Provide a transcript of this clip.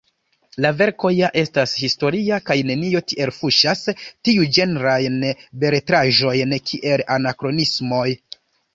La verko ja estas historia, kaj nenio tiel fuŝas tiuĝenrajn beletraĵojn kiel anakronismoj.